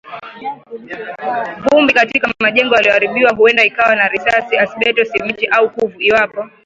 Vumbi katika majengo yaliyoharibiwa huenda ikawa na risasi, asbesto, simiti, au kuvu. Iwapo